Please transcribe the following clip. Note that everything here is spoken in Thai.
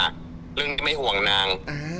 เรื่องไม่ห่วงนาง